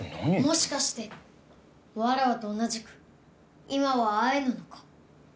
もしかしてわらわと同じく今は会えぬのか？